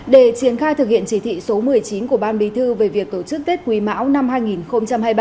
để triển khai thực hiện chỉ thị số một mươi chín của ban bí thư về việc tổ chức tết quý mão năm hai nghìn hai mươi ba